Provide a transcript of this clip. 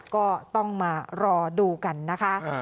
ก็ต้องมารอดูกันนะคะ